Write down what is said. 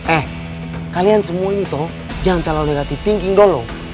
eh kalian semua ini toh jangan terlalu negatif thinking dulu